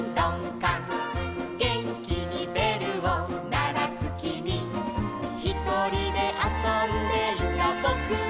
「げんきにべるをならすきみ」「ひとりであそんでいたぼくは」